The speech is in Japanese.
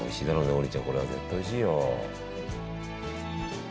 王林ちゃんこれは絶対おいしいよ。